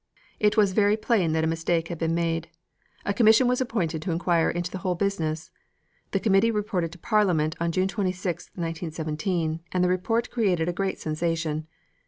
It was very plain that a mistake had been made. A commission was appointed to inquire into the whole business. This committee reported to Parliament on June 26, 1917, and the report created a great sensation.